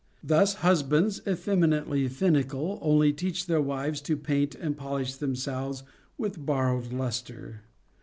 Thus husbands effeminately finical only teach their wives to paint and pol ish themselves with borrowed lustre.